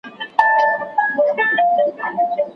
اکبرخان وویل چې د مکناتن نیول به اسانه نه وي.